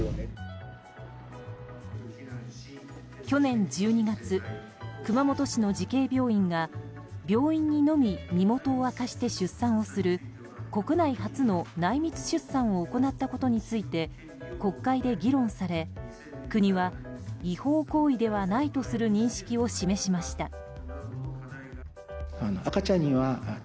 去年１２月熊本市の慈恵病院が病院にのみ身元を明かして出産をする国内初の内密出産を行ったことについて国会で議論され国は違法行為ではないとする認識を示しました。